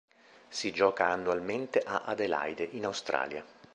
Si gioca annualmente a Adelaide in Australia.